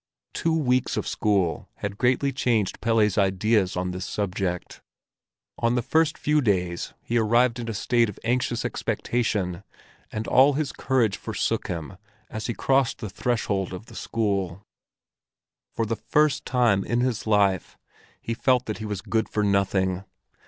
Two weeks of school had greatly changed Pelle's ideas on this subject. On the first few days he arrived in a state of anxious expectation, and all his courage forsook him as he crossed the threshold of the school. For the first time in his life he felt that he was good for nothing.